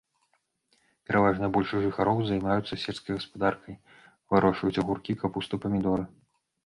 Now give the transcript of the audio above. Пераважная большасць жыхароў займаюцца сельскай гаспадаркай, вырошчваюць агуркі, капусту, памідоры.